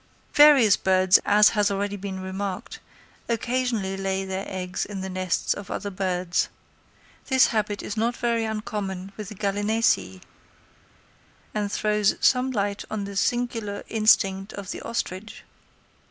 Various birds, as has already been remarked, occasionally lay their eggs in the nests of other birds. This habit is not very uncommon with the Gallinaceæ, and throws some light on the singular instinct of the ostrich.